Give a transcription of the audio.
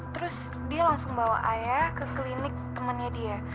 terus dia langsung bawa ayah ke klinik temannya dia